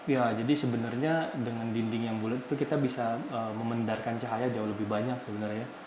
ya jadi sebenarnya dengan dinding yang bulet itu kita bisa memendarkan cahaya jauh lebih banyak sebenarnya